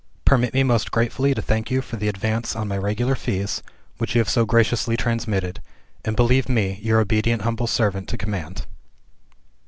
"Permit me most gratefully to thank you for the advance on my regular fees which you have so graciously transmitted, and believe me your obedient humble servant to command."